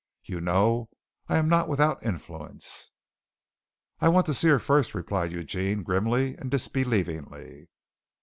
You know I am not without influence." "I want to see her first," replied Eugene grimly and disbelievingly.